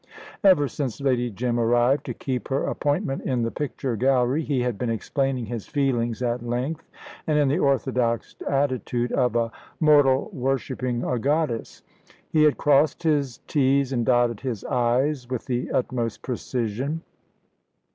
Ever since Lady Jim arrived to keep her appointment in the picture gallery, he had been explaining his feelings at length, and in the orthodox attitude of a mortal worshipping a goddess. He had crossed his "t's" and dotted his "i's" with the utmost precision.